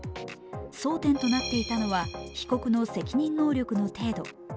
争点となっていたのは被告の責任能力の程度。